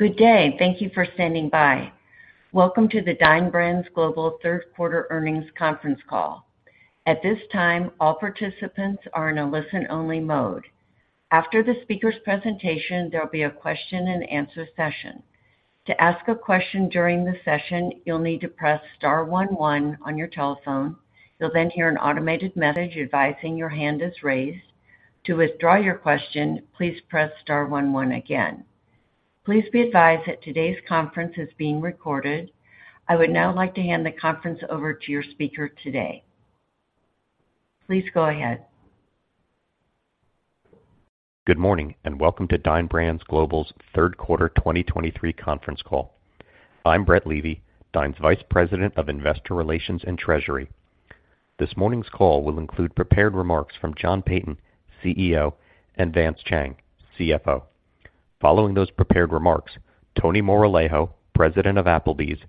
Good day. Thank you for standing by. Welcome to the Dine Brands Global Third Quarter Earnings Conference Call. At this time, all participants are in a listen-only mode. After the speaker's presentation, there will be a question-and-answer session. To ask a question during the session, you'll need to press star one one on your telephone. You'll then hear an automated message advising your hand is raised. To withdraw your question, please press star one one again. Please be advised that today's conference is being recorded. I would now like to hand the conference over to your speaker today. Please go ahead. Good morning, and welcome to Dine Brands Global's third quarter 2023 conference call. I'm Brett Levy, Dine's Vice President of Investor Relations and Treasury. This morning's call will include prepared remarks from John Peyton, CEO, and Vance Chang, CFO. Following those prepared remarks, Tony Moralejo, President of Applebee's,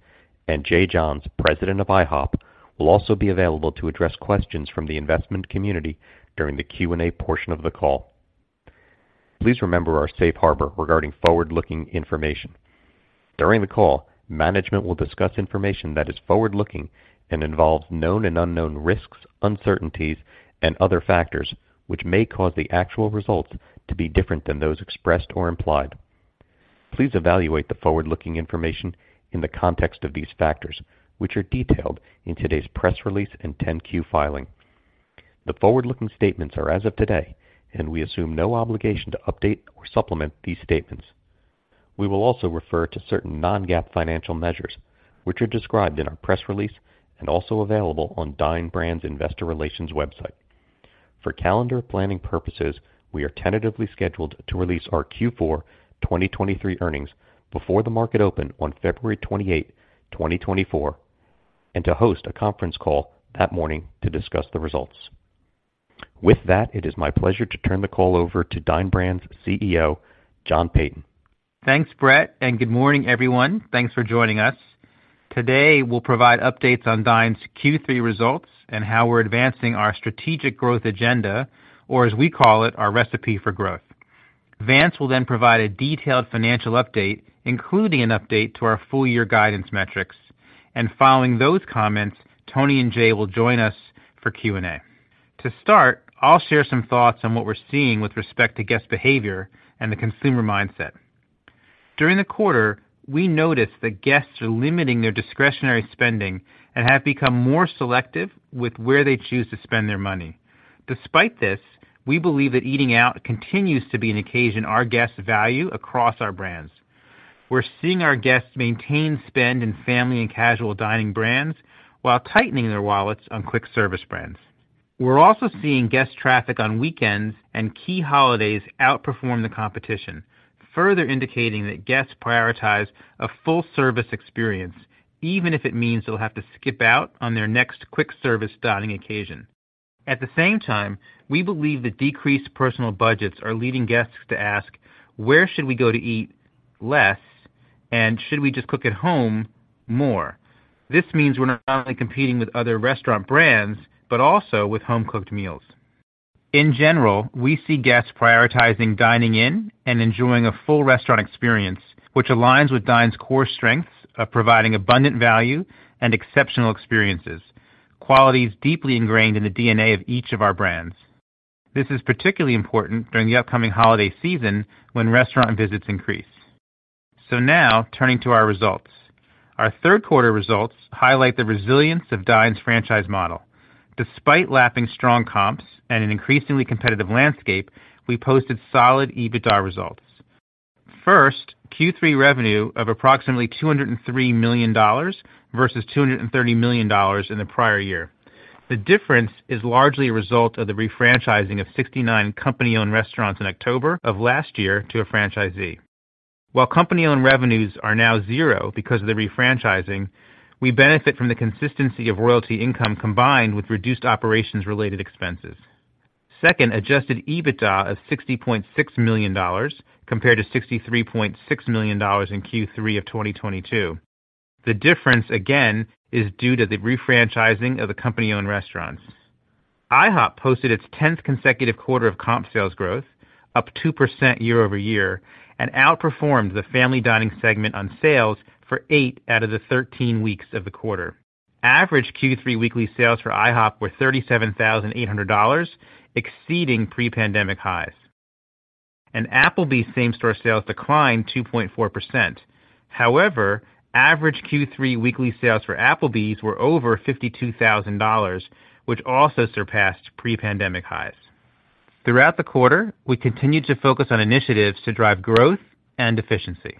and Jay Johns, President of IHOP, will also be available to address questions from the investment community during the Q&A portion of the call. Please remember our safe harbor regarding forward-looking information. During the call, management will discuss information that is forward-looking and involves known and unknown risks, uncertainties, and other factors, which may cause the actual results to be different than those expressed or implied. Please evaluate the forward-looking information in the context of these factors, which are detailed in today's press release and 10-Q filing. The forward-looking statements are as of today, and we assume no obligation to update or supplement these statements. We will also refer to certain non-GAAP financial measures, which are described in our press release and also available on Dine Brands' Investor Relations website. For calendar planning purposes, we are tentatively scheduled to release our Q4 2023 earnings before the market open on February 28, 2024, and to host a conference call that morning to discuss the results. With that, it is my pleasure to turn the call over to Dine Brands' CEO, John Peyton. Thanks, Brett, and good morning, everyone. Thanks for joining us. Today, we'll provide updates on Dine's Q3 results and how we're advancing our strategic growth agenda, or as we call it, our Recipe for Growth. Vance will then provide a detailed financial update, including an update to our full year guidance metrics, and following those comments, Tony and Jay will join us for Q&A. To start, I'll share some thoughts on what we're seeing with respect to guest behavior and the consumer mindset. During the quarter, we noticed that guests are limiting their discretionary spending and have become more selective with where they choose to spend their money. Despite this, we believe that eating out continues to be an occasion our guests value across our brands. We're seeing our guests maintain spend in family and casual dining brands while tightening their wallets on quick service brands. We're also seeing guest traffic on weekends, and key holidays outperform the competition, further indicating that guests prioritize a full-service experience, even if it means they'll have to skip out on their next quick-service dining occasion. At the same time, we believe that decreased personal budgets are leading guests to ask, "Where should we go to eat less?" and, "Should we just cook at home more?" This means we're not only competing with other restaurant brands, but also with home-cooked meals. In general, we see guests prioritizing dining in and enjoying a full restaurant experience, which aligns with Dine's core strengths of providing abundant value and exceptional experiences, qualities deeply ingrained in the DNA of each of our brands. This is particularly important during the upcoming holiday season when restaurant visits increase. Now turning to our results. Our third quarter results highlight the resilience of Dine's franchise model. Despite lapping strong comps and an increasingly competitive landscape, we posted solid EBITDA results. First, Q3 revenue of approximately $203 million versus $230 million in the prior year. The difference is largely a result of the refranchising of 69 company-owned restaurants in October of last year to a franchisee. While company-owned revenues are now zero because of the refranchising, we benefit from the consistency of royalty income combined with reduced operations-related expenses. Second, adjusted EBITDA of $60.6 million, compared to $63.6 million in Q3 of 2022. The difference, again, is due to the refranchising of the company-owned restaurants. IHOP posted its 10th consecutive quarter of comp sales growth, up 2% year-over-year, and outperformed the family dining segment on sales for eight out of the 13 weeks of the quarter. Average Q3 weekly sales for IHOP were $37,800, exceeding pre-pandemic highs. Applebee's same-store sales declined 2.4%. However, average Q3 weekly sales for Applebee's were over $52,000, which also surpassed pre-pandemic highs. Throughout the quarter, we continued to focus on initiatives to drive growth and efficiency.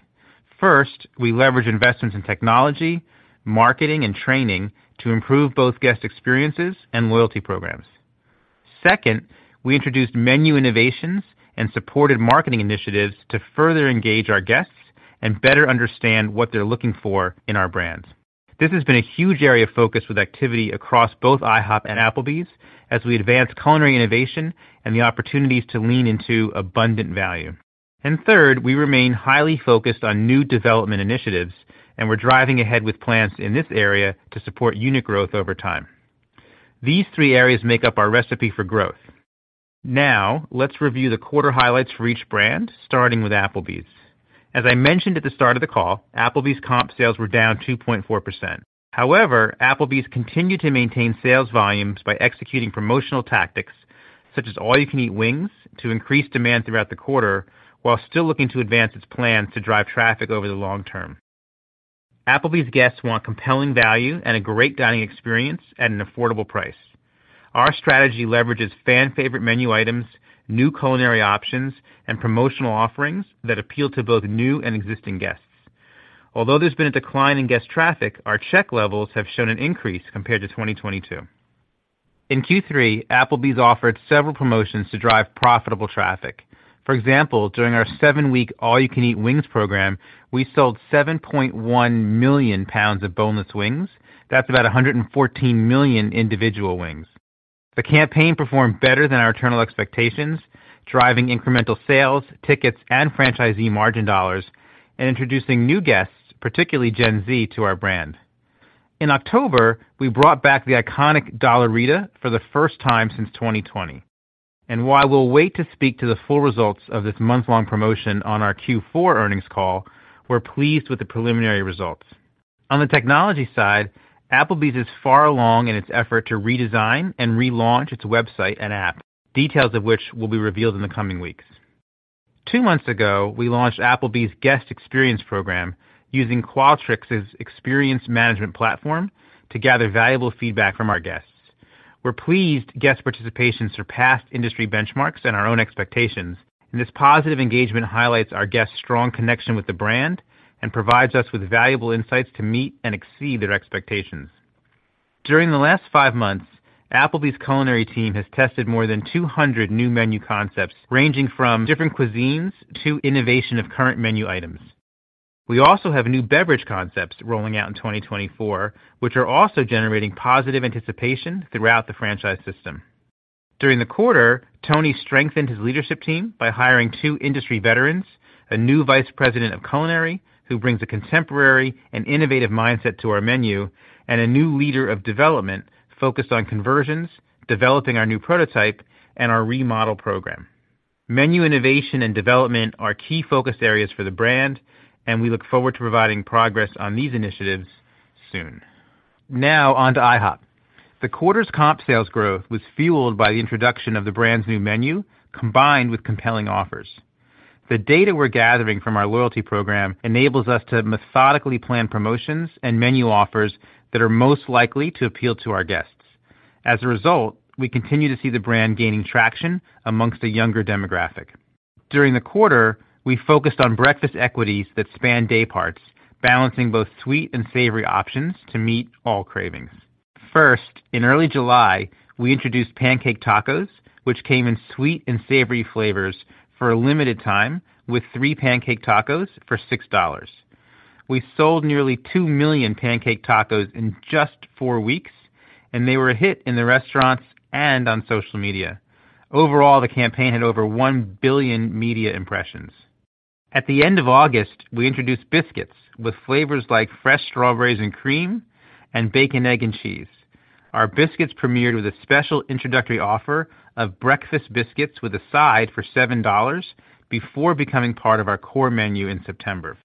First, we leveraged investments in technology, marketing, and training to improve both guest experiences and loyalty programs. Second, we introduced menu innovations and supported marketing initiatives to further engage our guests and better understand what they're looking for in our brands. This has been a huge area of focus with activity across both IHOP and Applebee's as we advance culinary innovation and the opportunities to lean into abundant value. And third, we remain highly focused on new development initiatives, and we're driving ahead with plans in this area to support unit growth over time.... These three areas make up our recipe for growth. Now, let's review the quarter highlights for each brand, starting with Applebee's. As I mentioned at the start of the call, Applebee's comp sales were down 2.4%. However, Applebee's continued to maintain sales volumes by executing promotional tactics, such as All You Can Eat Wings, to increase demand throughout the quarter, while still looking to advance its plans to drive traffic over the long term. Applebee's guests want compelling value and a great dining experience at an affordable price. Our strategy leverages fan-favorite menu items, new culinary options, and promotional offerings that appeal to both new and existing guests. Although there's been a decline in guest traffic, our check levels have shown an increase compared to 2022. In Q3, Applebee's offered several promotions to drive profitable traffic. For example, during our seven-week All You Can Eat Wings program, we sold 7.1 million pounds of boneless wings. That's about 114 million individual wings. The campaign performed better than our internal expectations, driving incremental sales, tickets, and franchisee margin dollars, and introducing new guests, particularly Gen Z, to our brand. In October, we brought back the iconic Dollarita for the first time since 2020, and while we'll wait to speak to the full results of this month-long promotion on our Q4 earnings call, we're pleased with the preliminary results. On the technology side, Applebee's is far along in its effort to redesign and relaunch its website and app, details of which will be revealed in the coming weeks. Two months ago, we launched Applebee's guest experience program, using Qualtrics's experience management platform to gather valuable feedback from our guests. We're pleased guest participation surpassed industry benchmarks and our own expectations, and this positive engagement highlights our guests' strong connection with the brand and provides us with valuable insights to meet and exceed their expectations. During the last five months, Applebee's culinary team has tested more than 200 new menu concepts, ranging from different cuisines to innovation of current menu items. We also have new beverage concepts rolling out in 2024, which are also generating positive anticipation throughout the franchise system. During the quarter, Tony strengthened his leadership team by hiring two industry veterans, a new Vice President of culinary, who brings a contemporary and innovative mindset to our menu, and a new leader of development focused on conversions, developing our new prototype, and our remodel program. Menu innovation and development are key focus areas for the brand, and we look forward to providing progress on these initiatives soon. Now on to IHOP. The quarter's comp sales growth was fueled by the introduction of the brand's new menu, combined with compelling offers. The data we're gathering from our loyalty program enables us to methodically plan promotions and menu offers that are most likely to appeal to our guests. As a result, we continue to see the brand gaining traction amongst a younger demographic. During the quarter, we focused on breakfast equities that span day parts, balancing both sweet and savory options to meet all cravings. First, in early July, we introduced pancake tacos, which came in sweet and savory flavors for a limited time, with three pancake tacos for $6. We sold nearly two million pancake tacos in just four weeks, and they were a hit in the restaurants and on social media. Overall, the campaign had over one billion media impressions. At the end of August, we introduced biscuits with flavors like fresh strawberries and cream, and bacon, egg, and cheese. Our biscuits premiered with a special introductory offer of breakfast biscuits with a side for $7 before becoming part of our core menu in September.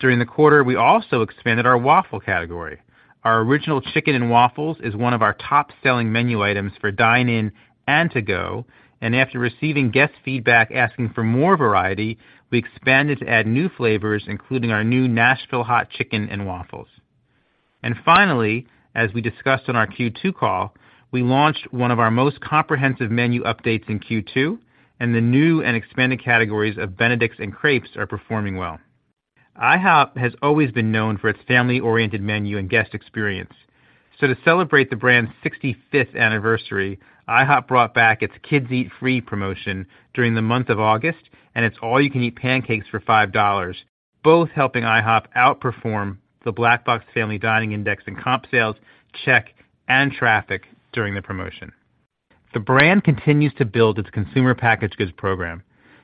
During the quarter, we also expanded our waffle category. Our original chicken and waffles is one of our top-selling menu items for dine-in and to-go, and after receiving guest feedback asking for more variety, we expanded to add new flavors, including our new Nashville hot chicken and waffles. Finally, as we discussed on our Q2 call, we launched one of our most comprehensive menu updates in Q2, and the new and expanded categories of Benedicts and crepes are performing well. IHOP has always been known for its family-oriented menu and guest experience. To celebrate the brand's sixty-fifth anniversary, IHOP brought back its Kids Eat Free promotion during the month of August, and its All You Can Eat Pancakes for $5, both helping IHOP outperform the Black Box family dining index in comp sales, check, and traffic during the promotion. The brand continues to build its consumer-packaged goods program.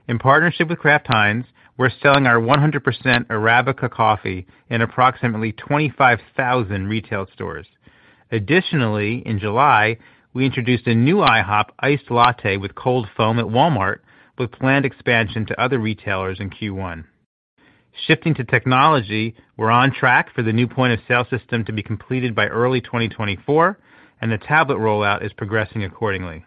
In partnership with Kraft Heinz, we're selling our 100% Arabica coffee in approximately 25,000 retail stores. Additionally, in July, we introduced a new IHOP iced latte with cold foam at Walmart, with planned expansion to other retailers in Q1. Shifting to technology, we're on track for the new point-of-sale system to be completed by early 2024, and the tablet rollout is progressing accordingly.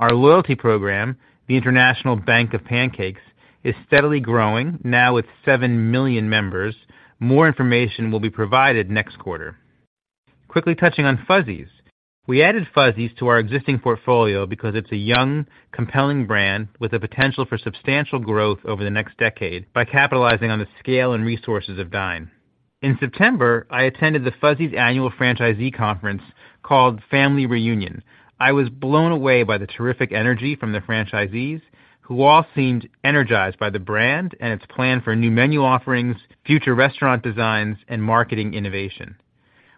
Our loyalty program, the International Bank of Pancakes, is steadily growing, now with seven million members. More information will be provided next quarter. Quickly touching on Fuzzy's. We added Fuzzy's to our existing portfolio because it's a young, compelling brand with the potential for substantial growth over the next decade by capitalizing on the scale and resources of Dine. In September, I attended the Fuzzy's annual franchisee conference called Family Reunion. I was blown away by the terrific energy from the franchisees, who all seemed energized by the brand and its plan for new menu offerings, future restaurant designs, and marketing innovation.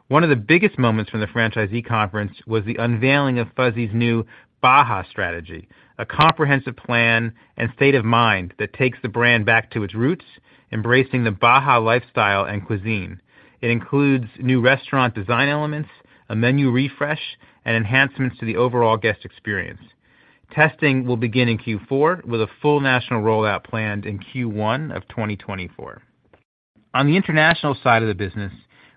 One of the biggest moments from the franchisee conference was the unveiling of Fuzzy's new Baja strategy, a comprehensive plan and state of mind that takes the brand back to its roots, embracing the Baja lifestyle and cuisine.... It includes new restaurant design elements, a menu refresh, and enhancements to the overall guest experience. Testing will begin in Q4, with a full national rollout planned in Q1 of 2024. On the international side of the business,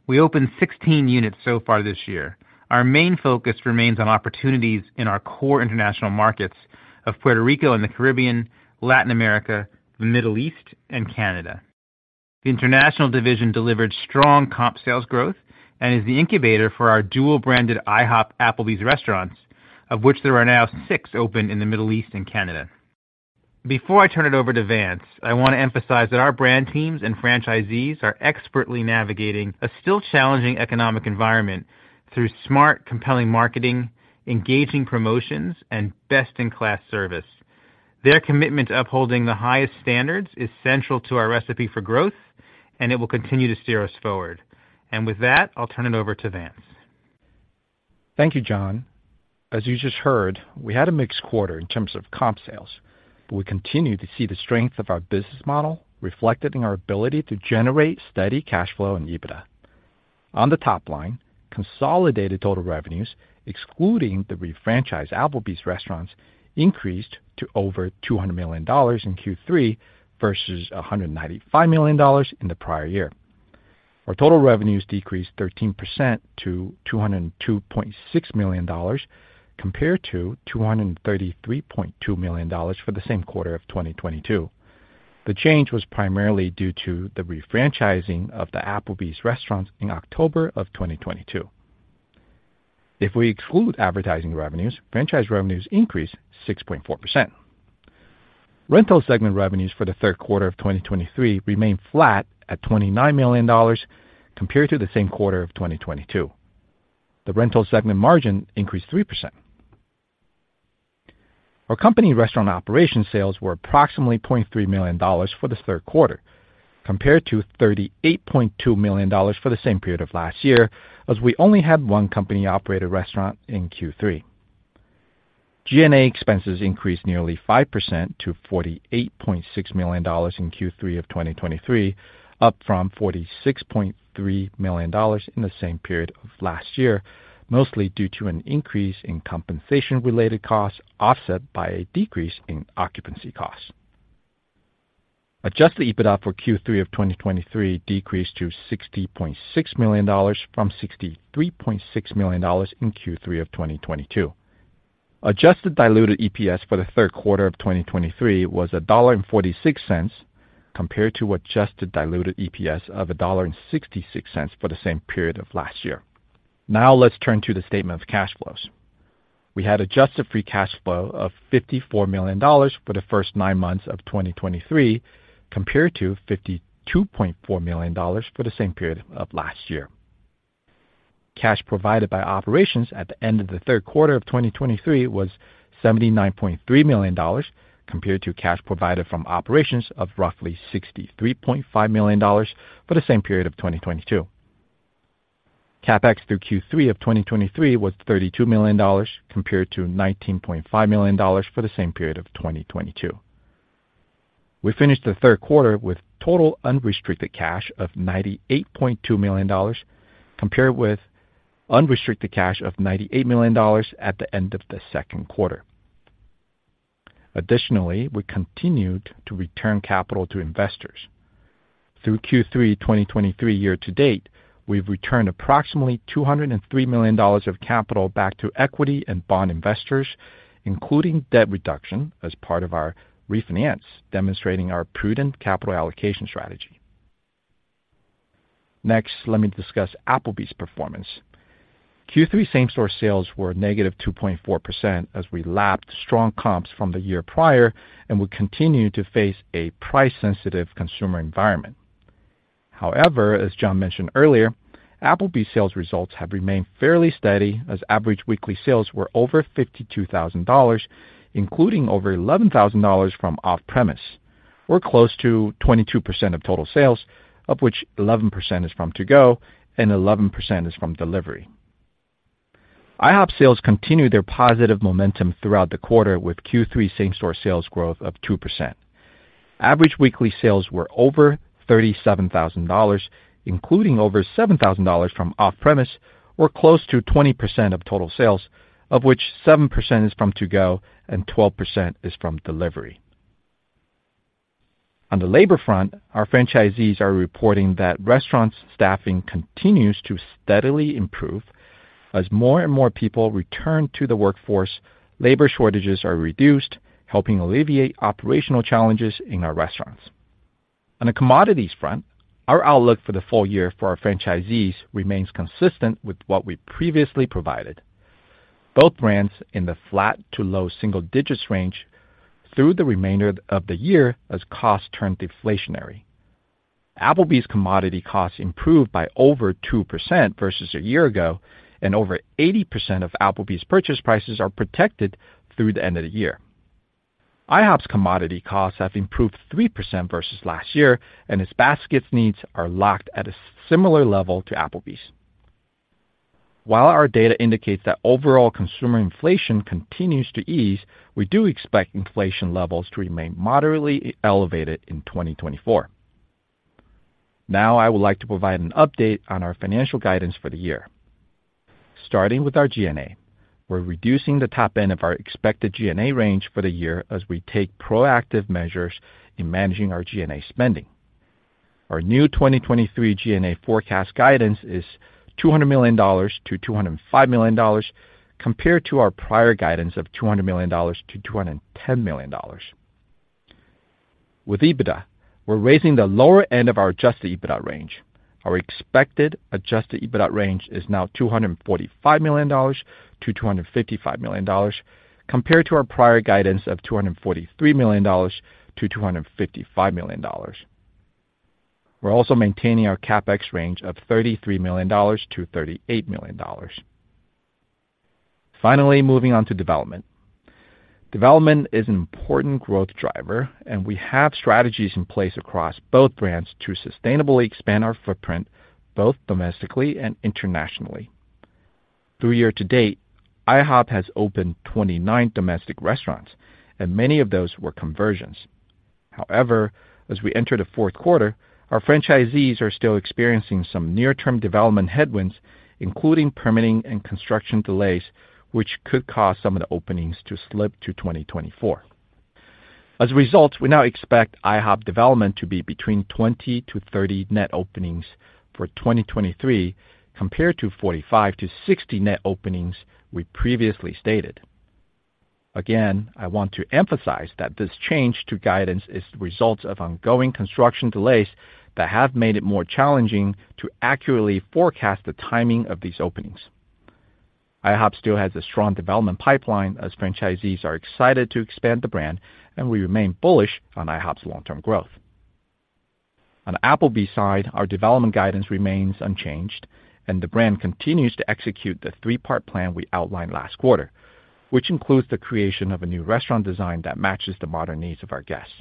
we opened 16 units so far this year. Our main focus remains on opportunities in our core international markets of Puerto Rico and the Caribbean, Latin America, the Middle East, and Canada. The international division delivered strong comp sales growth and is the incubator for our dual-branded IHOP Applebee's restaurants, of which there are now six open in the Middle East and Canada. Before I turn it over to Vance, I want to emphasize that our brand teams and franchisees are expertly navigating a still challenging economic environment through smart, compelling marketing, engaging promotions, and best-in-class service. Their commitment to upholding the highest standards is central to our recipe for growth, and it will continue to steer us forward. With that, I'll turn it over to Vance. Thank you, John. As you just heard, we had a mixed quarter in terms of comp sales, but we continue to see the strength of our business model reflected in our ability to generate steady cash flow and EBITDA. On the top line, consolidated total revenues, excluding the refranchised Applebee's restaurants, increased to over $200 million in Q3 versus $195 million in the prior year. Our total revenues decreased 13% to $202.6 million, compared to $233.2 million for the same quarter of 2022. The change was primarily due to the refranchising of the Applebee's restaurants in October of 2022. If we exclude advertising revenues, franchise revenues increased 6.4%. Rental segment revenues for the third quarter of 2023 remained flat at $29 million compared to the same quarter of 2022. The rental segment margin increased 3%. Our company restaurant operation sales were approximately $0.3 million for this third quarter, compared to $38.2 million for the same period of last year, as we only had one company-operated restaurant in Q3. G&A expenses increased nearly 5% to $48.6 million in Q3 of 2023, up from $46.3 million in the same period of last year, mostly due to an increase in compensation-related costs, offset by a decrease in occupancy costs. Adjusted EBITDA for Q3 of 2023 decreased to $60.6 million from $63.6 million in Q3 of 2022. Adjusted diluted EPS for the third quarter of 2023 was $1.46, compared to adjusted diluted EPS of $1.66 for the same period of last year. Now, let's turn to the statement of cash flows. We had adjusted free cash flow of $54 million for the first nine months of 2023, compared to $52.4 million for the same period of last year. Cash provided by operations at the end of the third quarter of 2023 was $79.3 million, compared to cash provided from operations of roughly $63.5 million for the same period of 2022. CapEx through Q3 of 2023 was $32 million, compared to $19.5 million for the same period of 2022. We finished the third quarter with total unrestricted cash of $98.2 million, compared with unrestricted cash of $98 million at the end of the second quarter. Additionally, we continued to return capital to investors. Through Q3 2023 year to date, we've returned approximately $203 million of capital back to equity and bond investors, including debt reduction as part of our refinance, demonstrating our prudent capital allocation strategy. Next, let me discuss Applebee's performance. Q3 same-store sales were -2.4% as we lapped strong comps from the year prior and we continue to face a price-sensitive consumer environment. However, as John mentioned earlier, Applebee's sales results have remained fairly steady, as average weekly sales were over $52,000, including over $11,000 from off-premise, or close to 22% of total sales, of which 11% is from to-go and 11% is from delivery. IHOP sales continued their positive momentum throughout the quarter, with Q3 same-store sales growth of 2%. Average weekly sales were over $37,000, including over $7,000 from off-premise, or close to 20% of total sales, of which 7% is from to-go and 12% is from delivery. On the labor front, our franchisees are reporting that restaurants' staffing continues to steadily improve. As more and more people return to the workforce, labor shortages are reduced, helping alleviate operational challenges in our restaurants. On the commodities front, our outlook for the full year for our franchisees remains consistent with what we previously provided. Both brands in the flat to low double single digits range through the remainder of the year as costs turn deflationary. Applebee's commodity costs improved by over 2% versus a year ago, and over 80% of Applebee's purchase prices are protected through the end of the year. IHOP's commodity costs have improved 3% versus last year, and its basket needs are locked at a similar level to Applebee's.... While our data indicates that overall consumer inflation continues to ease, we do expect inflation levels to remain moderately elevated in 2024. Now, I would like to provide an update on our financial guidance for the year. Starting with our G&A, we're reducing the top end of our expected G&A range for the year as we take proactive measures in managing our G&A spending. Our new 2023 G&A forecast guidance is $200 million-$205 million, compared to our prior guidance of $200 million-$210 million. With EBITDA, we're raising the lower end of our adjusted EBITDA range. Our expected adjusted EBITDA range is now $245 million-$255 million, compared to our prior guidance of $243 million-$255 million. We're also maintaining our CapEx range of $33 million-$38 million. Finally, moving on to development. Development is an important growth driver, and we have strategies in place across both brands to sustainably expand our footprint, both domestically and internationally. Through year to date, IHOP has opened 29 domestic restaurants, and many of those were conversions. However, as we enter the fourth quarter, our franchisees are still experiencing some near-term development headwinds, including permitting and construction delays, which could cause some of the openings to slip to 2024. As a result, we now expect IHOP development to be between 20-30 net openings for 2023, compared to 45-60 net openings we previously stated. Again, I want to emphasize that this change to guidance is the result of ongoing construction delays that have made it more challenging to accurately forecast the timing of these openings. IHOP still has a strong development pipeline as franchisees are excited to expand the brand, and we remain bullish on IHOP's long-term growth. On the Applebee's side, our development guidance remains unchanged, and the brand continues to execute the three-part plan we outlined last quarter, which includes the creation of a new restaurant design that matches the modern needs of our guests.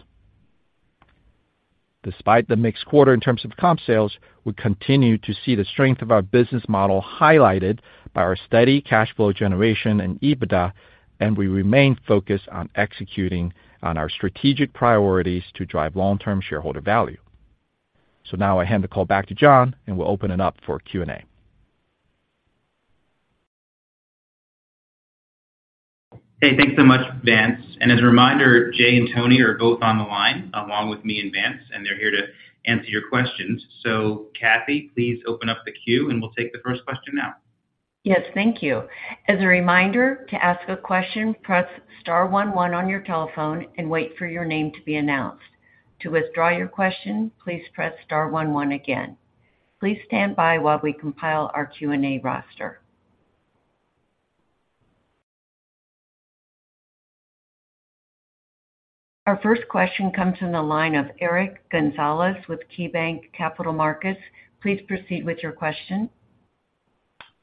Despite the mixed quarter in terms of comp sales, we continue to see the strength of our business model highlighted by our steady cash flow generation and EBITDA, and we remain focused on executing on our strategic priorities to drive long-term shareholder value. So now I hand the call back to John, and we'll open it up for Q&A. Hey, thanks so much, Vance. As a reminder, Jay and Tony are both on the line, along with me and Vance, and they're here to answer your questions. Kathy, please open up the queue, and we'll take the first question now. Yes, thank you. As a reminder, to ask a question, press star one one on your telephone and wait for your name to be announced. To withdraw your question, please press star one one again. Please stand by while we compile our Q&A roster. Our first question comes from the line of Eric Gonzalez with KeyBanc Capital Markets. Please proceed with your question.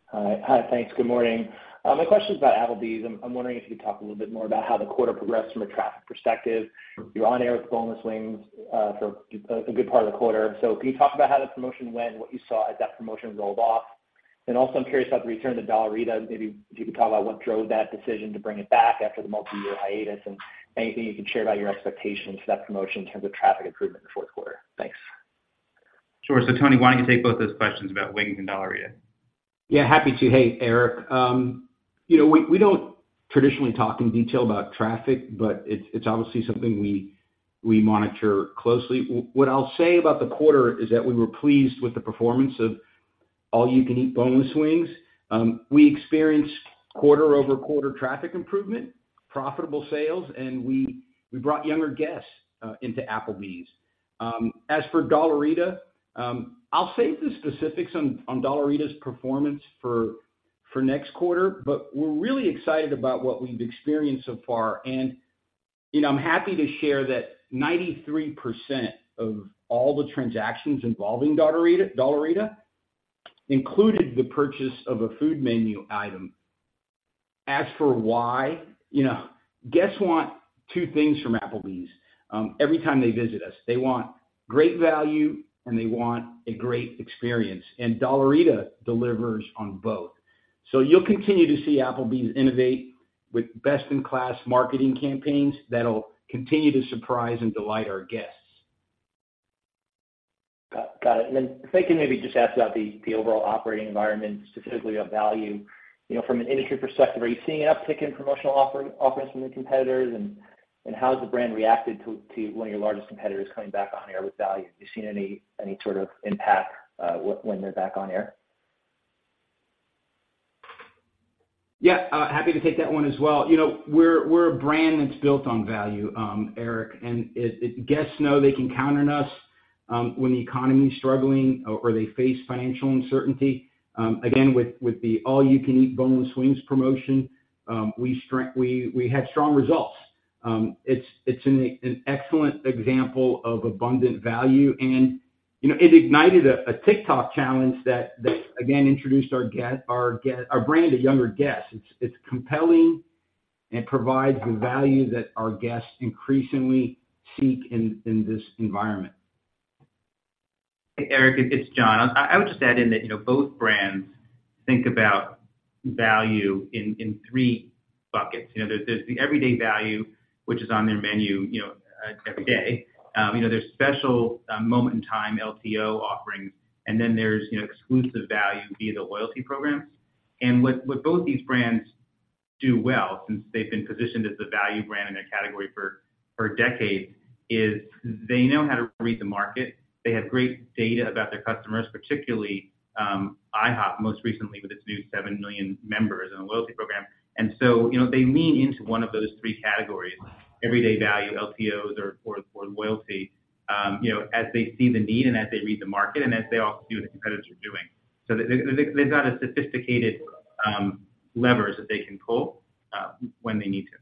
Hi. Hi. Thanks. Good morning. My question is about Applebee's. I'm wondering if you could talk a little bit more about how the quarter progressed from a traffic perspective. You're on air with Boneless Wings for a good part of the quarter. So can you talk about how the promotion went, what you saw as that promotion rolled off? And also, I'm curious about the return of the Dollarita. Maybe if you could talk about what drove that decision to bring it back after the multi-year hiatus, and anything you can share about your expectations for that promotion in terms of traffic improvement in the fourth quarter. Thanks. Sure. So Tony, why don't you take both those questions about wings and Dollarita? Yeah, happy to. Hey, Eric. You know, we don't traditionally talk in detail about traffic, but it's obviously something we monitor closely. What I'll say about the quarter is that we were pleased with the performance of All You Can Eat Boneless Wings. We experienced quarter-over-quarter traffic improvement, profitable sales, and we brought younger guests into Applebee's. As for Dollarita, I'll save the specifics on Dollarita's performance for next quarter, but we're really excited about what we've experienced so far. And, you know, I'm happy to share that 93% of all the transactions involving Dollarita included the purchase of a food menu item. As for why, you know, guests want two things from Applebee's every time they visit us. They want great value, and they want a great experience, and Dollarita delivers on both. You'll continue to see Applebee's innovate with best-in-class marketing campaigns that'll continue to surprise and delight our guests. Got it. And then if I can maybe just ask about the overall operating environment, specifically on value. You know, from an industry perspective, are you seeing an uptick in promotional offerings from the competitors? And how has the brand reacted to one of your largest competitors coming back on air with value? Have you seen any sort of impact when they're back on air? Yeah, happy to take that one as well. You know, we're a brand that's built on value, Eric, and it-- guests know they can count on us when the economy is struggling or they face financial uncertainty. Again, with the All You Can Eat boneless wings promotion, we had strong results. It's an excellent example of abundant value, and, you know, it ignited a TikTok challenge that, again, introduced our brand to younger guests. It's compelling and provides the value that our guests increasingly seek in this environment. Eric, it's John. I would just add in that, you know, both brands think about value in three buckets. You know, there's the everyday value, which is on their menu, you know, every day. You know, there's special moment in time LTO offerings, and then there's, you know, exclusive value via the loyalty programs. And what both these brands do well, since they've been positioned as the value brand in their category for decades, is they know how to read the market. They have great data about their customers, particularly IHOP, most recently with its new seven million members in the loyalty program. So, you know, they lean into one of those three categories, everyday value, LTOs, or loyalty, you know, as they see the need and as they read the market, and as they also see what the competitors are doing. So they’ve got a sophisticated levers that they can pull when they need to.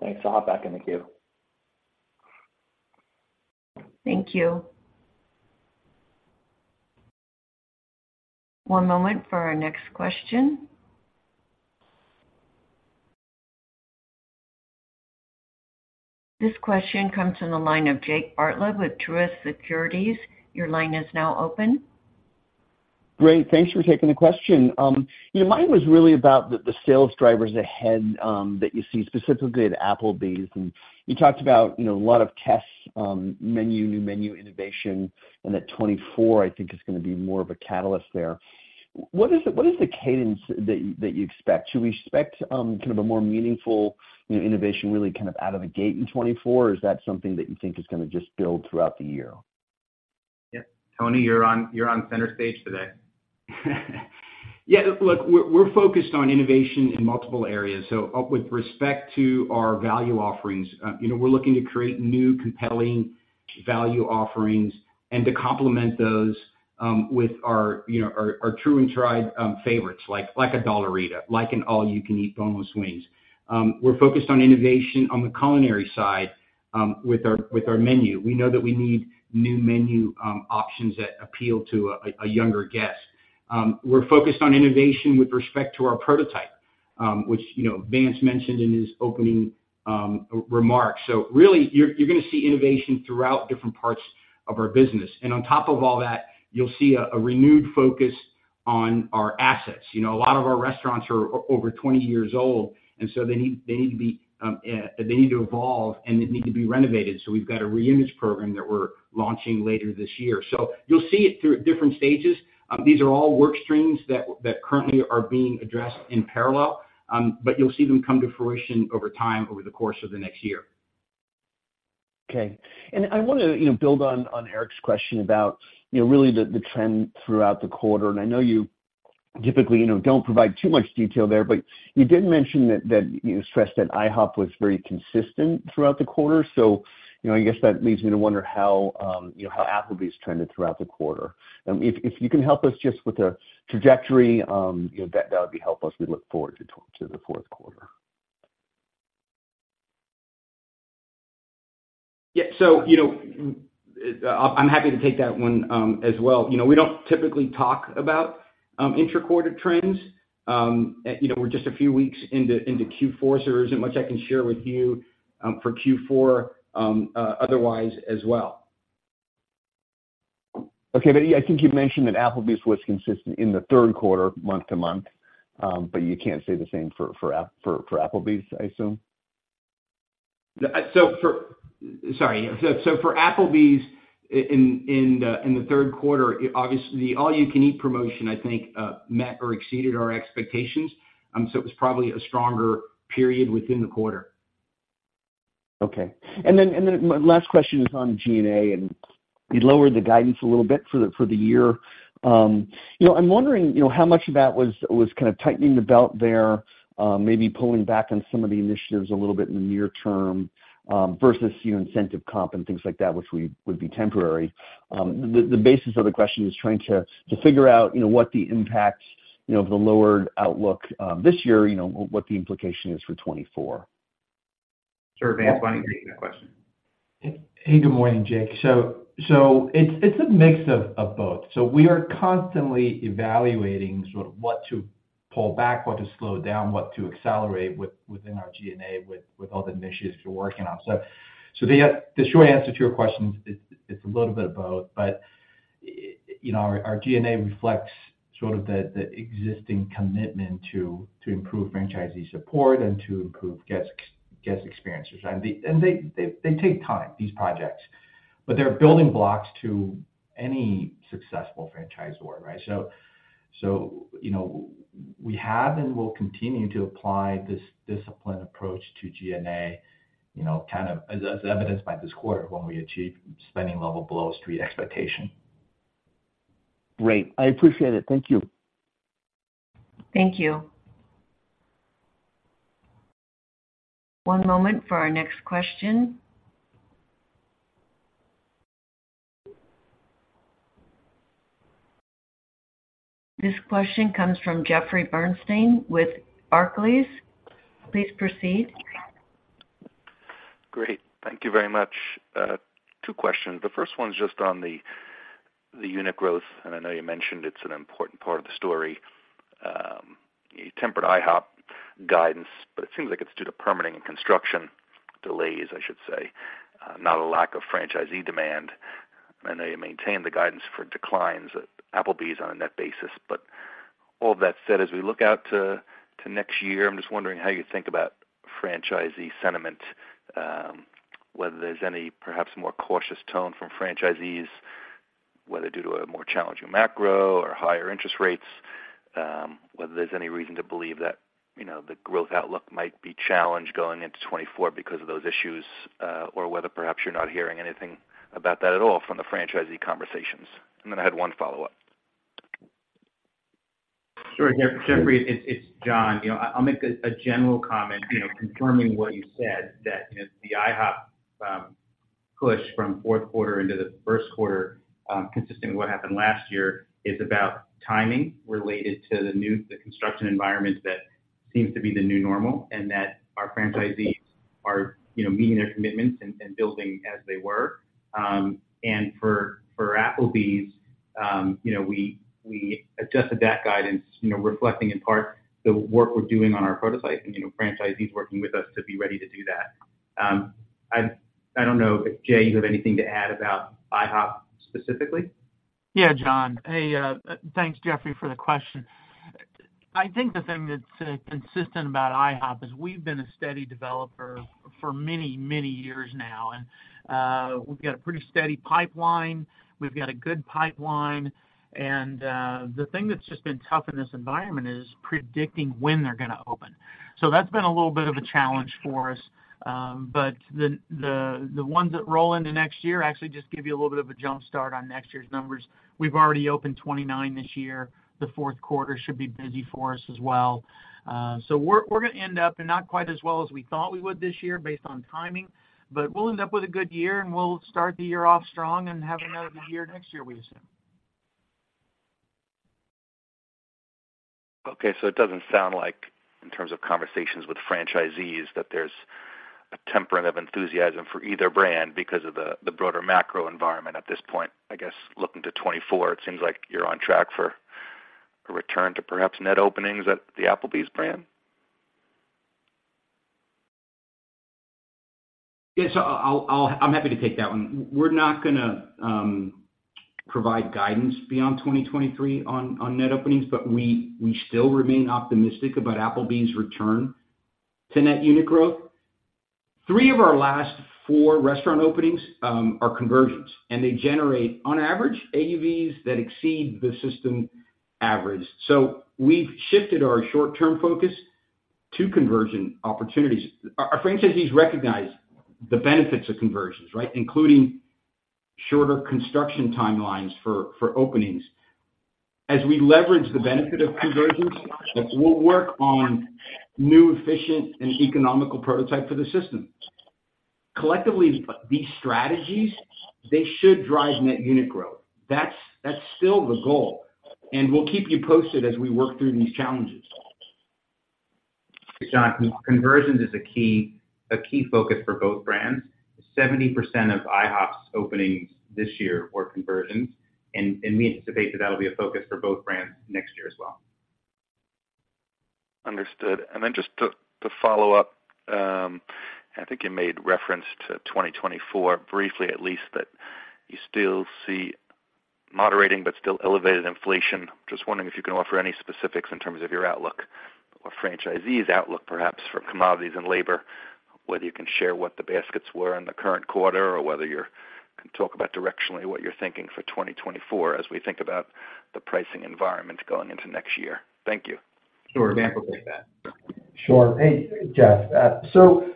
Thanks. I'll hop back in the queue. Thank you. One moment for our next question. This question comes from the line of Jake Bartlett with Truist Securities. Your line is now open. Great, thanks for taking the question. You know, mine was really about the sales drivers ahead that you see specifically at Applebee's. And you talked about, you know, a lot of tests, menu, new menu innovation, and that 2024, I think, is gonna be more of a catalyst there. What is the cadence that you expect? Should we expect kind of a more meaningful, you know, innovation really kind of out of the gate in 2024, or is that something that you think is gonna just build throughout the year? Yeah. Tony, you're on, you're on center stage today. Yeah, look, we're focused on innovation in multiple areas. So with respect to our value offerings, you know, we're looking to create new, compelling value offerings and to complement those with our, you know, our tried-and-true favorites, like a Dollarita, like an All You Can Eat boneless wings. We're focused on innovation on the culinary side with our menu. We know that we need new menu options that appeal to a younger guest. We're focused on innovation with respect to our prototype, which, you know, Vance mentioned in his opening remarks. So really, you're gonna see innovation throughout different parts of our business. And on top of all that, you'll see a renewed focus on our assets. You know, a lot of our restaurants are over 20 years old, and so they need, they need to be, they need to evolve, and they need to be renovated. So we've got a reimage program that we're launching later this year. So you'll see it through different stages. These are all work streams that currently are being addressed in parallel, but you'll see them come to fruition over time over the course of the next year. Okay. And I want to, you know, build on Eric's question about, you know, really the trend throughout the quarter. And I know you typically, you know, don't provide too much detail there, but you did mention that you stressed that IHOP was very consistent throughout the quarter. So, you know, I guess that leads me to wonder how, you know, how Applebee's trended throughout the quarter. If you can help us just with a trajectory, you know, that would be helpful as we look forward to the fourth quarter. Yeah, so you know, I'm happy to take that one, as well. You know, we don't typically talk about intra-quarter trends. You know, we're just a few weeks into Q4, so there isn't much I can share with you for Q4, otherwise as well. Okay, but I think you've mentioned that Applebee's was consistent in the third quarter, month to month, but you can't say the same for Applebee's, I assume? So for Applebee's in the third quarter, obviously, the all-you-can-eat promotion, I think, met or exceeded our expectations. So it was probably a stronger period within the quarter. Okay. And then my last question is on G&A, and you lowered the guidance a little bit for the year. You know, I'm wondering, you know, how much of that was kind of tightening the belt there, maybe pulling back on some of the initiatives a little bit in the near term versus your incentive comp and things like that, which would be temporary. The basis of the question is trying to figure out, you know, what the impact, you know, of the lowered outlook this year, you know, what the implication is for 2024. Sure, Vance, why don't you take that question? Hey, good morning, Jake. So it's a mix of both. So we are constantly evaluating sort of what to pull back, what to slow down, what to accelerate within our G&A, with all the initiatives we're working on. So the short answer to your question is, it's a little bit of both, but you know, our G&A reflects sort of the existing commitment to improve franchisee support and to improve guest experiences. And they take time, these projects, but they're building blocks to any successful franchisor, right? So you know, we have and will continue to apply this disciplined approach to G&A, you know, kind of as evidenced by this quarter, when we achieved spending level below Street expectation. Great. I appreciate it. Thank you. Thank you. One moment for our next question. This question comes from Jeffrey Bernstein with Barclays. Please proceed. Great. Thank you very much. Two questions. The first one is just on the. The unit growth, and I know you mentioned it's an important part of the story, you tempered IHOP guidance, but it seems like it's due to permitting and construction delays, I should say, not a lack of franchisee demand. I know you maintained the guidance for declines at Applebee's on a net basis. But all of that said, as we look out to next year, I'm just wondering how you think about franchisee sentiment, whether there's any perhaps more cautious tone from franchisees, whether due to a more challenging macro or higher interest rates, whether there's any reason to believe that, you know, the growth outlook might be challenged going into 2024 because of those issues, or whether perhaps you're not hearing anything about that at all from the franchisee conversations. And then I had one follow-up. Sure, Jeffrey, it's John. You know, I'll make a general comment, you know, confirming what you said, that, you know, the IHOP push from fourth quarter into the first quarter, consistent with what happened last year, is about timing related to the new construction environment that seems to be the new normal, and that our franchisees are, you know, meeting their commitments and building as they were. And for Applebee's, you know, we adjusted that guidance, you know, reflecting in part the work we're doing on our prototype and franchisees working with us to be ready to do that. I don't know if, Jay, you have anything to add about IHOP specifically? Yeah, John. Hey, thanks, Jeffrey, for the question. I think the thing that's consistent about IHOP is we've been a steady developer for many, many years now, and we've got a pretty steady pipeline. We've got a good pipeline, and the thing that's just been tough in this environment is predicting when they're gonna open. So that's been a little bit of a challenge for us. But the ones that roll into next year actually just give you a little bit of a jump start on next year's numbers. We've already opened 29 this year. The fourth quarter should be busy for us as well. So, we're gonna end up not quite as well as we thought we would this year based on timing, but we'll end up with a good year, and we'll start the year off strong and have another good year next year, we assume. Okay, so it doesn't sound like in terms of conversations with franchisees, that there's a tempering of enthusiasm for either brand because of the broader macro environment at this point. I guess, looking to 2024, it seems like you're on track for a return to perhaps net openings at the Applebee's brand? Yes, I'll. I'm happy to take that one. We're not gonna provide guidance beyond 2023 on net openings, but we still remain optimistic about Applebee's return to net unit growth. Three of our last four restaurant openings are conversions, and they generate, on average, AUVs that exceed the system average. So we've shifted our short-term focus to conversion opportunities. Our franchisees recognize the benefits of conversions, right? Including shorter construction timelines for openings. As we leverage the benefit of conversions, we'll work on new, efficient, and economical prototype for the system. Collectively, these strategies, they should drive net unit growth. That's still the goal, and we'll keep you posted as we work through these challenges. John, conversions is a key focus for both brands. 70% of IHOP's openings this year were conversions, and we anticipate that that'll be a focus for both brands next year as well. Understood. And then just to, to follow up, I think you made reference to 2024 briefly at least, that you still see moderating but still elevated inflation. Just wondering if you can offer any specifics in terms of your outlook or franchisees outlook, perhaps for commodities and labor, whether you can share what the baskets were in the current quarter, or whether you can talk about directionally what you're thinking for 2024, as we think about the pricing environment going into next year. Thank you. Sure, I'm happy with that. Sure. Hey, Jeff, so